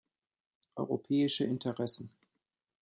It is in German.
Europäische Interessen.